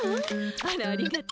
あらありがと。